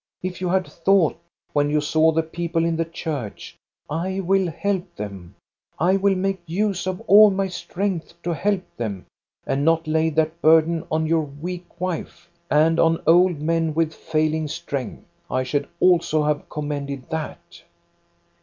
If you had thought, when you saw the people in the church :* I will help them ; I will make use of all my strength to help them,' and not laid that burden on your weak wife, and on old men with failing strength, I should also have commended that."